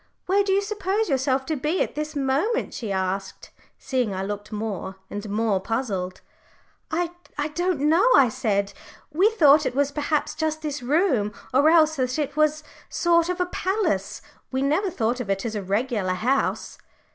Where do you suppose yourself to be at this moment?" she asked, seeing I looked more and more puzzled. "I don't know," I said. "We thought it was perhaps just this room, or else that it was a sort of a palace. We never thought of it as a regular house."